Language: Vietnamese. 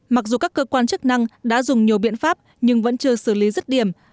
mặc dù các cơ quan chức năng đã dùng nhiều biện pháp nhưng vẫn chưa xử lý rứt điểm